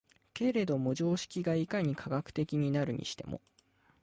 けれども常識がいかに科学的になるにしても、